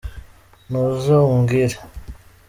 nuza umbwire.